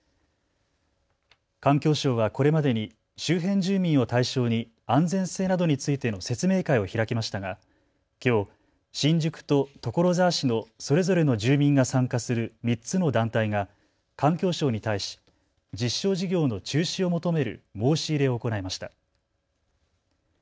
環境省はこれまでに周辺住民を対象に安全性などについての説明会を開きましたがきょう、新宿と所沢市のそれぞれの住民が参加する３つの団体が環境省に対し、実証事業の中止を求める申し入れを行いました。